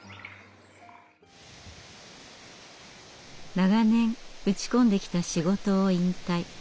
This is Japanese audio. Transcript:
長年打ち込んできた仕事を引退。